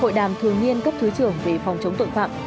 hội đàm thường nhiên cấp thối trưởng về phòng chống tội phạm